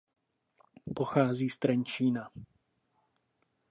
Pochází z Trenčína.